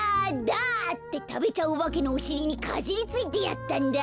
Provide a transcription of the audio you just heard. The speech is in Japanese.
だ！」ってたべちゃうおばけのおしりにかじりついてやったんだ。